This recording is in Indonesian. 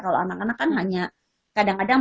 kalau anak anak kan hanya kadang kadang